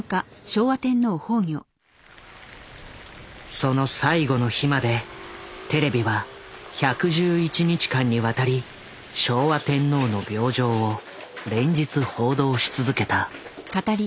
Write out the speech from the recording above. その最後の日までテレビは１１１日間にわたり昭和天皇の病状を連日報道し続けた。